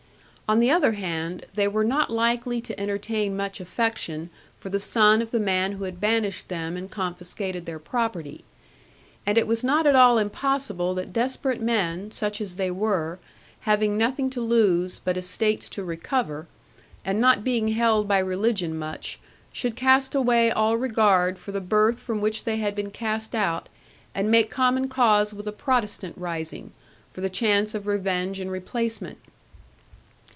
On the other hand, they were not likely to entertain much affection for the son of the man who had banished them and confiscated their property. And it was not at all impossible that desperate men, such as they were, having nothing to lose, but estates to recover, and not being held by religion much, should cast away all regard for the birth from which they had been cast out, and make common cause with a Protestant rising, for the chance of revenge and replacement.